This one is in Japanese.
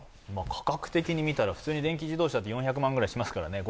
価格的には見たら普通に電気自動車は４００万円くらいしますからね